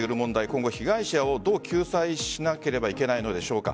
今後、被害者をどう救済しなければいけないのでしょうか。